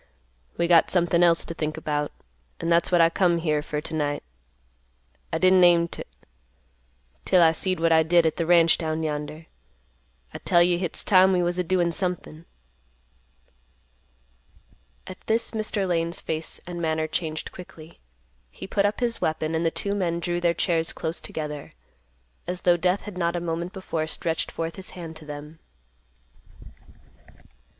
"We got something else t' think about; an' that's what I come here fer t'night. I didn't aim t', 'til I seed what I did at th' ranch down yonder. I tell you hit's time we was a doin' somethin'." At this, Mr. Lane's face and manner changed quickly. He put up his weapon, and the two men drew their chairs close together, as though Death had not a moment before stretched forth his hand to them.